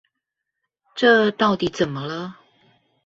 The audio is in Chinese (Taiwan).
這到底怎麼了？